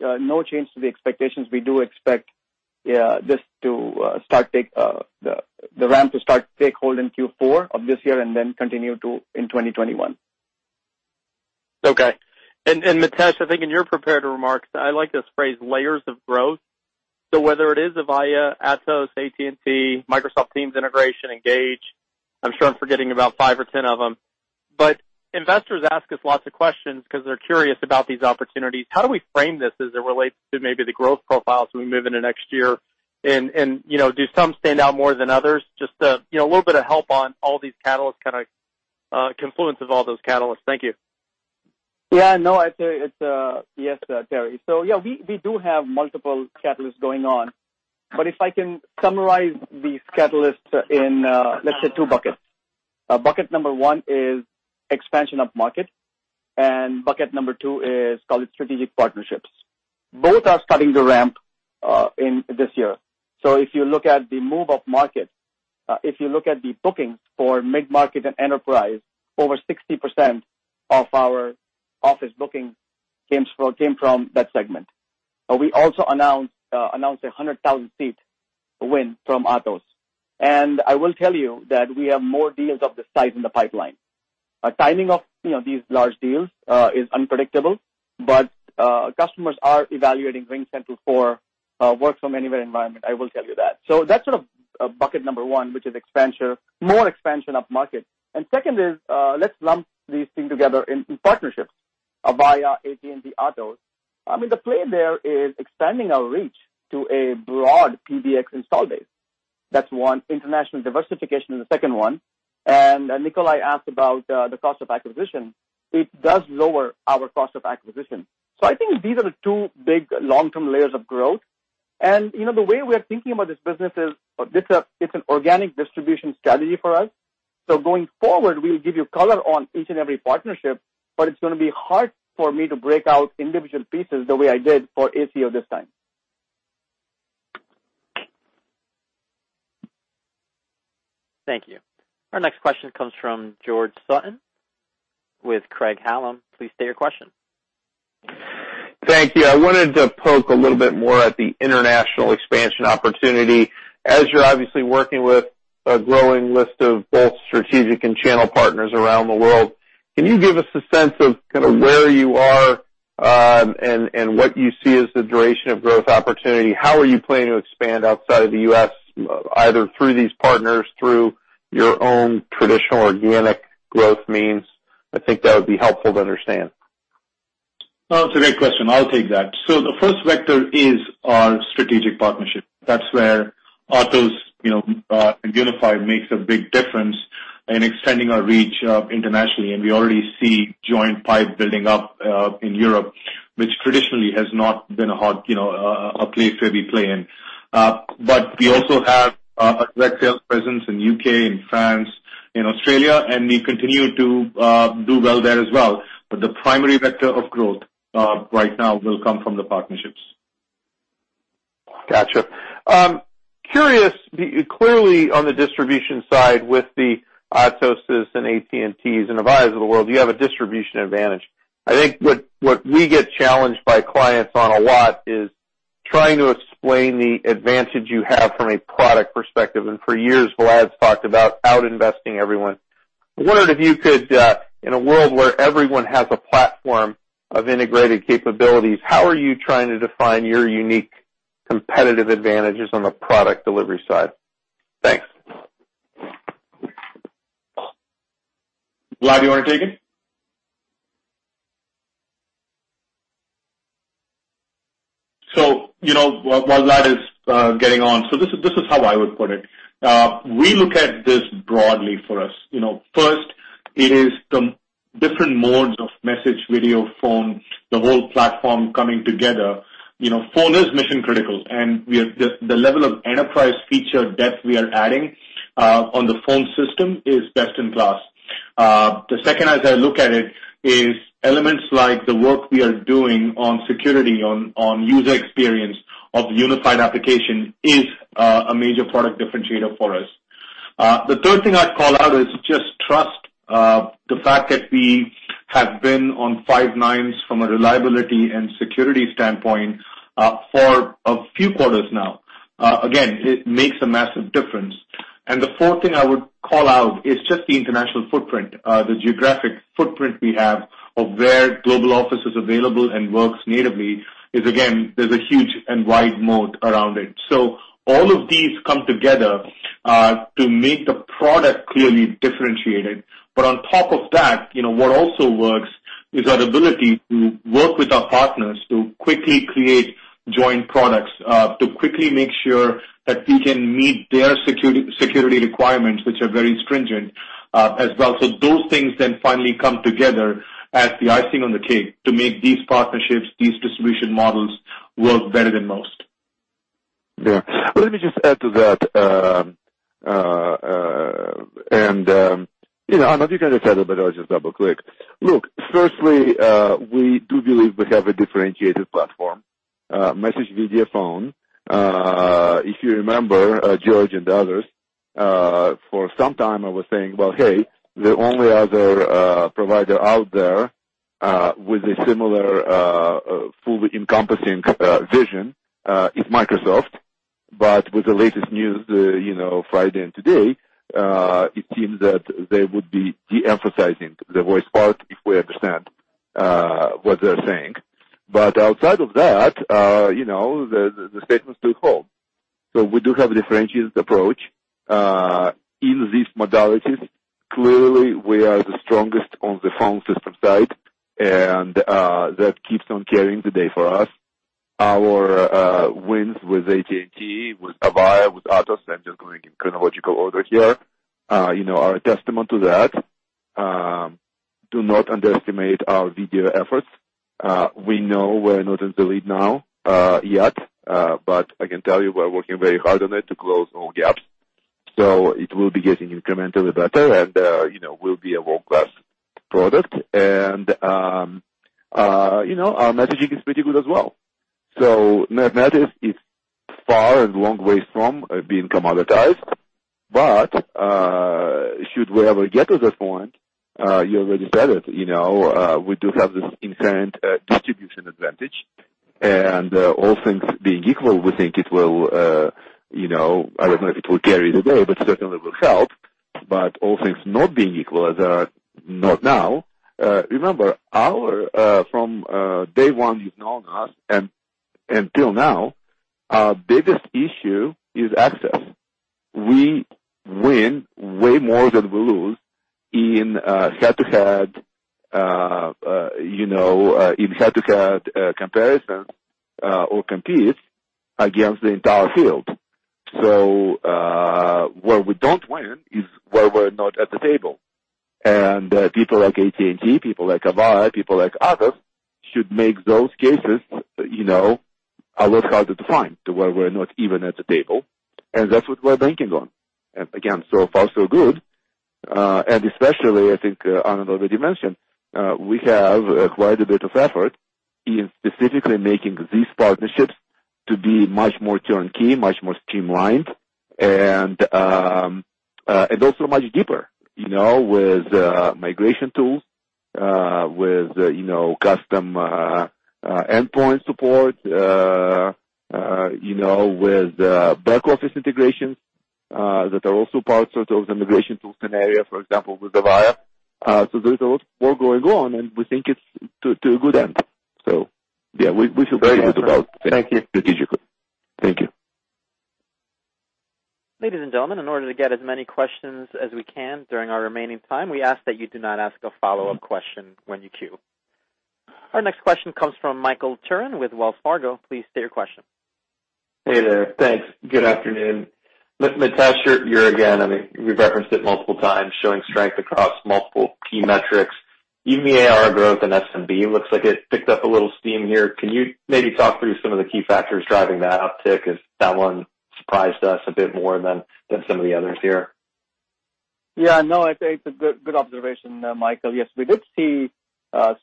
no change to the expectations. We do expect this to start the ramp to take hold in Q4 of this year and then continue to in 2021. Mitesh, I think in your prepared remarks, I like this phrase, "Layers of growth." Whether it is Avaya, Atos, AT&T, Microsoft Teams integration, Engage, I'm sure I'm forgetting about five or 10 of them, but investors ask us lots of questions because they're curious about these opportunities. How do we frame this as it relates to maybe the growth profiles when we move into next year? Do some stand out more than others? Just a little bit of help on all these catalysts, kind of confluence of all those catalysts. Thank you. Yeah. Yes, Terry. Yeah, we do have multiple catalysts going on. If I can summarize these catalysts in, let's say, two buckets. Bucket number one is expansion of market, and bucket number two is, call it strategic partnerships. Both are starting to ramp in this year. If you look at the move of market, if you look at the bookings for mid-market and enterprise, over 60% of our office bookings came from that segment. We also announced a 100,000 seat win from Atos. I will tell you that we have more deals of this size in the pipeline. Timing of these large deals is unpredictable, but customers are evaluating RingCentral for work from anywhere environment, I will tell you that. That's sort of bucket number one, which is more expansion of market. Second is, let's lump these things together in partnerships, Avaya, AT&T, Atos. The play there is extending our reach to a broad PBX install base. That's one. International diversification is the second one. Nikolay asked about the cost of acquisition. It does lower our cost of acquisition. I think these are the two big long-term layers of growth. The way we are thinking about this business is, it's an organic distribution strategy for us. Going forward, we'll give you color on each and every partnership, but it's going to be hard for me to break out individual pieces the way I did for ACO this time. Thank you. Our next question comes from George Sutton with Craig-Hallum. Please state your question. Thank you. I wanted to poke a little bit more at the international expansion opportunity. As you're obviously working with a growing list of both strategic and channel partners around the world, can you give us a sense of kind of where you are, and what you see as the duration of growth opportunity? How are you planning to expand outside of the U.S., either through these partners, through your own traditional organic growth means? I think that would be helpful to understand. That's a great question. I'll take that. The first vector is our strategic partnership. That's where Atos and Unify makes a big difference in extending our reach internationally. We already see joint pipe building up in Europe, which traditionally has not been a place where we play in. We also have a direct sales presence in U.K., in France, in Australia, and we continue to do well there as well. The primary vector of growth right now will come from the partnerships. Got you. Curious, clearly on the distribution side with the Atos' and AT&Ts and Avayas of the world, you have a distribution advantage. I think what we get challenged by clients on a lot is trying to explain the advantage you have from a product perspective. For years, Vlad's talked about outinvesting everyone. I wondered if you could, in a world where everyone has a platform of integrated capabilities, how are you trying to define your unique competitive advantages on the product delivery side? Thanks. Vlad, you want to take it? While Vlad is getting on. This is how I would put it. We look at this broadly for us. First is the different modes of message, video, phone, the whole platform coming together. Phone is mission-critical, and the level of enterprise feature depth we are adding on the phone system is best in class. The second, as I look at it, is elements like the work we are doing on security, on user experience of the unified application is a major product differentiator for us. The third thing I'd call out is just trust. The fact that we have been on five nines from a reliability and security standpoint, for a few quarters now. Again, it makes a massive difference. The fourth thing I would call out is just the international footprint, the geographic footprint we have of where Global Office is available and works natively is, again, there's a huge and wide moat around it. All of these come together to make the product clearly differentiated. On top of that, what also works is our ability to work with our partners to quickly create joint products, to quickly make sure that we can meet their security requirements, which are very stringent as well. Those things then finally come together as the icing on the cake to make these partnerships, these distribution models work better than most. Yeah. Let me just add to that. Anand, you can decide, but I'll just double-click. Look, firstly, we do believe we have a differentiated platform, message, video, phone. If you remember, George and others, for some time I was saying, "Well, hey, the only other provider out there with a similar fully encompassing vision is Microsoft." With the latest news, Friday and today, it seems that they would be de-emphasizing the voice part, if we understand what they're saying. Outside of that, the statements do hold. We do have a differentiated approach in these modalities. Clearly, we are the strongest on the phone system side, and that keeps on carrying the day for us. Our wins with AT&T, with Avaya, with Atos, I'm just going in chronological order here, are a testament to that. Do not underestimate our video efforts. We know we're not in the lead now yet, but I can tell you we're working very hard on it to close all gaps. It will be getting incrementally better, and will be a world-class product. Our messaging is pretty good as well. Net-net, it's far and long ways from being commoditized. Should we ever get to that point, you already said it, we do have this inherent distribution advantage. All things being equal, we think it will, I don't know if it will carry the day, but certainly will help. All things not being equal as are not now. Remember, from day one you've known us until now, our biggest issue is access. We win way more than we lose in head-to-head comparisons or competes against the entire field. Where we don't win is where we're not at the table. People like AT&T, people like Avaya, people like Atos should make those cases a lot harder to find to where we're not even at the table. That's what we're banking on. Again, so far, so good. Especially, I think Anand already mentioned, we have quite a bit of effort in specifically making these partnerships to be much more turnkey, much more streamlined, and also much deeper with migration tools, with custom endpoint support, with back office integrations that are also part of the migration tool scenario, for example, with Avaya. There's a lot more going on, and we think it's to a good end. Yeah, we should be good about- Thank you. strategically. Thank you. Ladies and gentlemen, in order to get as many questions as we can during our remaining time, we ask that you do not ask a follow-up question when you queue. Our next question comes from Michael Turrin with Wells Fargo. Please state your question. Hey there. Thanks. Good afternoon. Mitesh, you're again, we've referenced it multiple times, showing strength across multiple key metrics. Even the ARR growth in SMB looks like it picked up a little steam here. Can you maybe talk through some of the key factors driving that uptick, as that one surprised us a bit more than some of the others here? Yeah, no, I think it's a good observation, Michael. Yes, we did see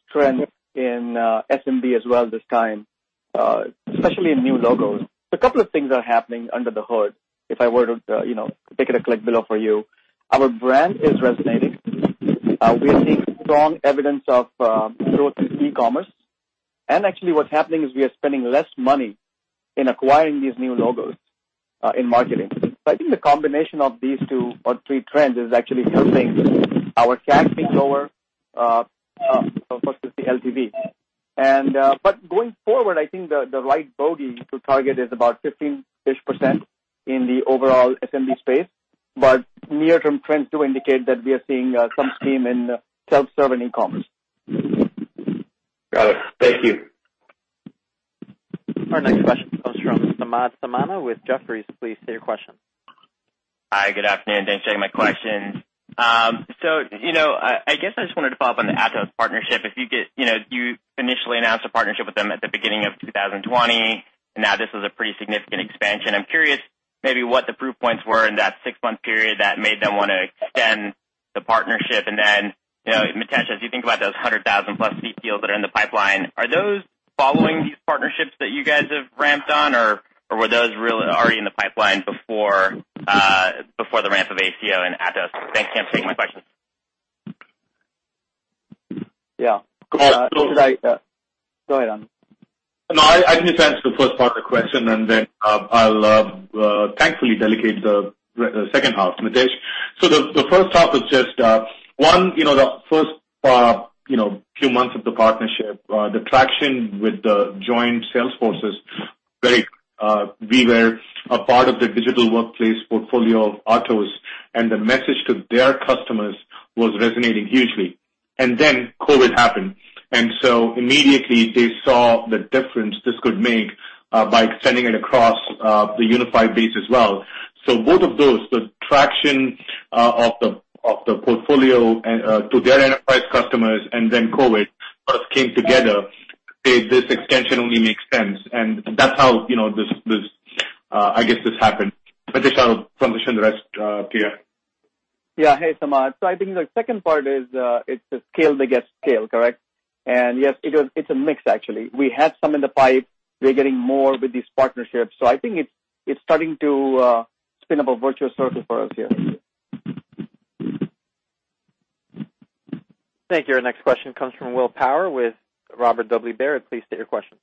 strength in SMB as well this time, especially in new logos. A couple of things are happening under the hood, if I were to take it a click below for you. Our brand is resonating. We are seeing strong evidence of growth in e-commerce. Actually what's happening is we are spending less money in acquiring these new logos in marketing. I think the combination of these two or three trends is actually helping our CAC be lower versus the LTV. Going forward, I think the right bogey to target is about 15-ish% in the overall SMB space. Near-term trends do indicate that we are seeing some steam in self-serve and e-commerce. Got it. Thank you. Our next question comes from Samad Samana with Jefferies. Please state your question. Hi, good afternoon. Thanks for taking my question. I guess I just wanted to follow up on the Atos partnership. You initially announced a partnership with them at the beginning of 2020, and now this is a pretty significant expansion. I'm curious maybe what the proof points were in that six-month period that made them want to extend the partnership. Mitesh, as you think about those 100,000+ seat deals that are in the pipeline, are those following these partnerships that you guys have ramped on, or were those really already in the pipeline before the ramp of ACO and Atos? Thanks again for taking my question. Yeah. Go ahead, Anand. No, I can just answer the first part of the question. I'll thankfully delegate the second half, Mitesh. The first half is just one, the first few months of the partnership, the traction with the joint sales forces, great. We were a part of the digital workplace portfolio of Atos. The message to their customers was resonating hugely. COVID happened. Immediately they saw the difference this could make by extending it across the unified base as well. Both of those, the traction of the portfolio to their enterprise customers and then COVID first came together, made this extension only make sense. That's how this, I guess, this happened. Mitesh, I'll transition the rest to you. Yeah. Hey, Samad. I think the second part is, it's a scale that gets scale, correct? Yes, it's a mix, actually. We have some in the pipe. We're getting more with these partnerships. I think it's starting to spin up a virtual circle for us here. Thank you. Our next question comes from Will Power with Robert W. Baird. Please state your question.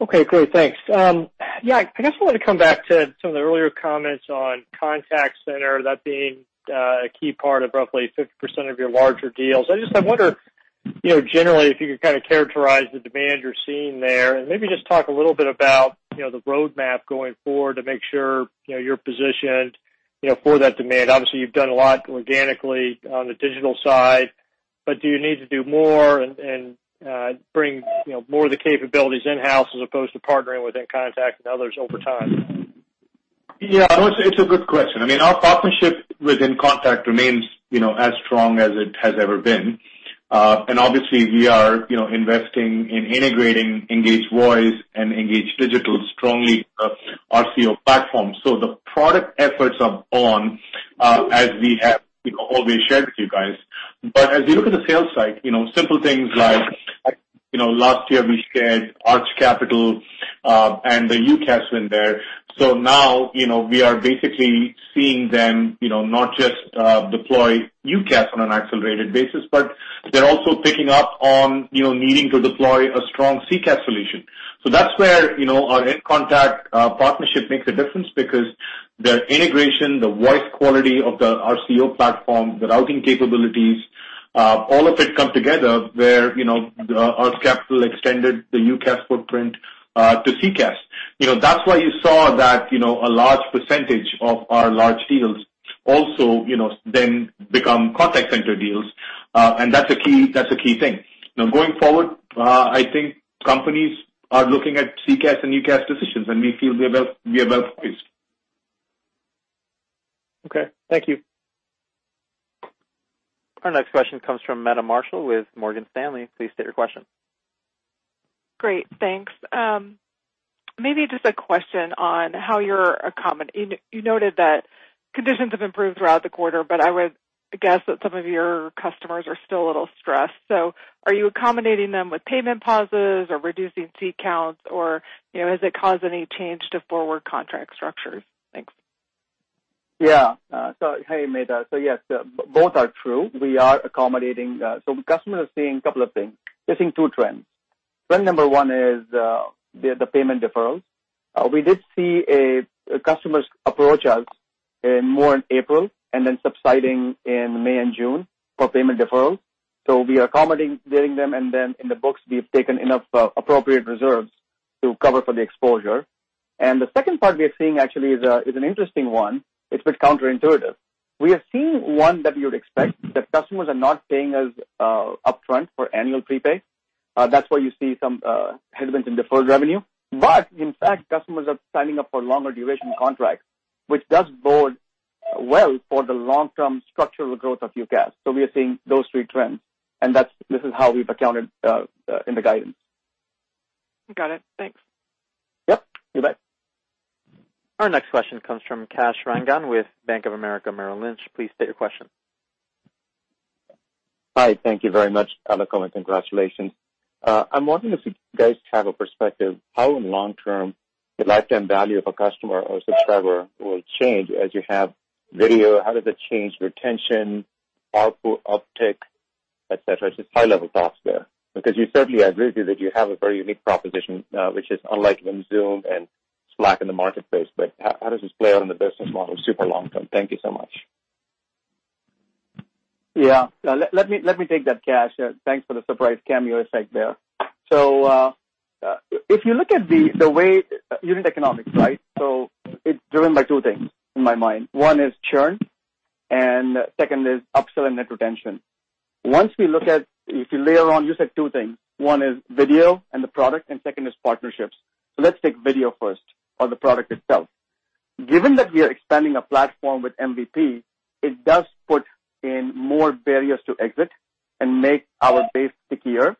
Okay, great. Thanks. I guess I wanted to come back to some of the earlier comments on contact center, that being a key part of roughly 50% of your larger deals. I just, I wonder, generally, if you could kind of characterize the demand you're seeing there and maybe just talk a little bit about the roadmap going forward to make sure you're positioned for that demand. Obviously, you've done a lot organically on the digital side, but do you need to do more and bring more of the capabilities in-house as opposed to partnering with inContact and others over time? Yeah, no, it's a good question. I mean, our partnership with inContact remains as strong as it has ever been. Obviously, we are investing in integrating Engage Voice and Engage Digital strongly with our RCO platform. The product efforts are on, as we have always shared with you guys. As you look at the sales side, simple things like, last year we shared Arch Capital, and the UCaaS win there. Now, we are basically seeing them, not just deploy UCaaS on an accelerated basis, but they're also picking up on needing to deploy a strong CCaaS solution. That's where our inContact partnership makes a difference because the integration, the voice quality of the RCO platform, the routing capabilities, all of it come together where Arch Capital extended the UCaaS footprint to CCaaS. That's why you saw that a large percentage of our large deals also then become contact center deals. That's a key thing. Now, going forward, I think companies are looking at CCaaS and UCaaS decisions, and we feel we are well-positioned. Okay. Thank you. Our next question comes from Meta Marshall with Morgan Stanley. Please state your question. Great. Thanks. You noted that conditions have improved throughout the quarter. I would guess that some of your customers are still a little stressed. Are you accommodating them with payment pauses or reducing seat counts, or has it caused any change to forward contract structures? Thanks. Hey, Meta. Yes, both are true. We are accommodating. Customers are seeing a couple of things. They're seeing two trends. Trend number one is the payment deferrals. We did see customers approach us more in April, subsiding in May and June for payment deferrals. We are accommodating them. In the books, we've taken enough appropriate reserves to cover for the exposure. The second part we are seeing actually is an interesting one. It's a bit counterintuitive. We are seeing one that you'd expect, that customers are not paying us upfront for annual prepay. That's why you see some headwinds in deferred revenue. In fact, customers are signing up for longer duration contracts, which does bode well for the long-term structural growth of UCaaS. We are seeing those three trends, and this is how we've accounted in the guidance. Got it. Thanks. Yep. You bet. Our next question comes from Kash Rangan with Bank of America, Merrill Lynch. Please state your question. Hi. Thank you very much, and congratulations. I'm wondering if you guys have a perspective how in long term the lifetime value of a customer or subscriber will change as you have video. How does it change retention, output uptick, et cetera? Just high-level thoughts there. You certainly agree with me that you have a very unique proposition, which is unlike when Zoom and Slack in the marketplace. How does this play out in the business model super long term? Thank you so much. Let me take that, Kash. Thanks for the surprise cameo sec there. If you look at unit economics, right? It's driven by two things in my mind. One is churn, and second is upsell and net retention. Once we look at, if you layer on, you said two things. One is video and the product, and second is partnerships. Let's take video first or the product itself. Given that we are expanding a platform with MVP, it does put in more barriers to exit and make our base stickier,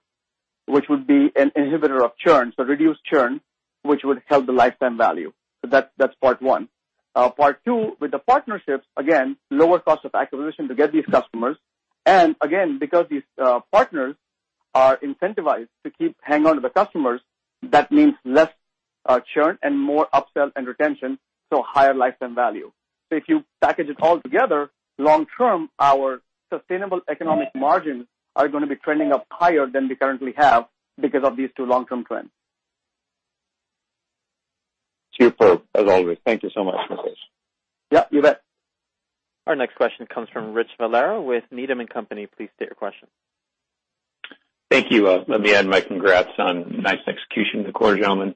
which would be an inhibitor of churn. Reduced churn, which would help the lifetime value. That's part one. Part two, with the partnerships, again, lower cost of acquisition to get these customers, and again, because these partners are incentivized to keep hanging on to the customers, that means less churn and more upsell and retention, so higher lifetime value. If you package it all together, long-term, our sustainable economic margins are going to be trending up higher than we currently have because of these two long-term trends. Superb, as always. Thank you so much, Mitesh. Yeah, you bet. Our next question comes from Rich Valera with Needham & Company. Please state your question. Thank you. Let me add my congrats on nice execution in the quarter, gentlemen.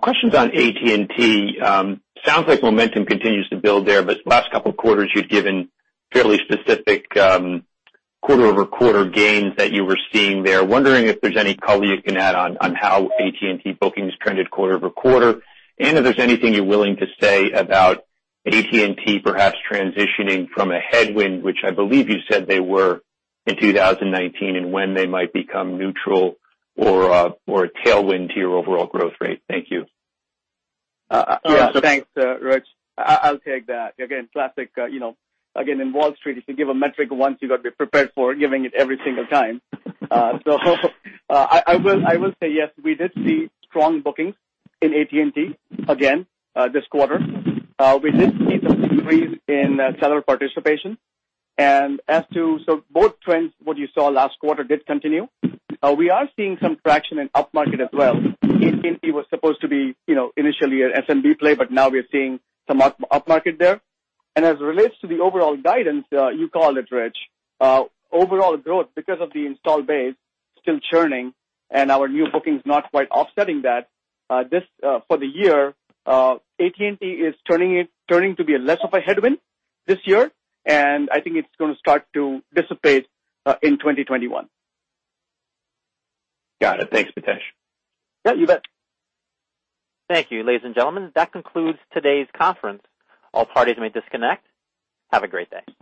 Questions on AT&T. Sounds like momentum continues to build there, but last couple quarters, you'd given fairly specific quarter-over-quarter gains that you were seeing there. Wondering if there's any color you can add on how AT&T bookings trended quarter-over-quarter, and if there's anything you're willing to say about AT&T perhaps transitioning from a headwind, which I believe you said they were in 2019, and when they might become neutral or a tailwind to your overall growth rate. Thank you. Thanks, Rich. I'll take that. Again, classic, again, in Wall Street, if you give a metric once, you got to be prepared for giving it every single time. I will say yes, we did see strong bookings in AT&T again this quarter. We did see some decrease in seller participation. Both trends, what you saw last quarter did continue. We are seeing some traction in upmarket as well. AT&T was supposed to be initially an SMB play, but now we're seeing some upmarket there. As it relates to the overall guidance, you called it, Rich. Overall growth, because of the install base still churning and our new bookings not quite offsetting that, for the year, AT&T is turning to be less of a headwind this year, and I think it's going to start to dissipate in 2021. Got it. Thanks, Mitesh. Yeah, you bet. Thank you, ladies and gentlemen. That concludes today's conference. All parties may disconnect. Have a great day.